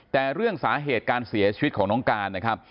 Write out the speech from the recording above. แต่เรื่องสาเหตุการเสียชีวิตของน้องการนะครับ